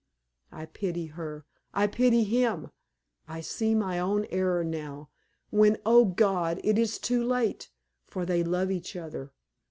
I pity her, I pity him! I see my own error now, when, oh, God! it is too late; for they love each other.